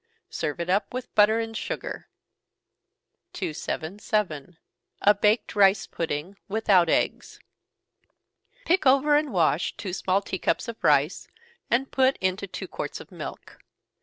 Serve it up with butter and sugar. 277. A Baked Rice Pudding, without eggs. Pick over and wash two small tea cups of rice, and put it into two quarts of milk.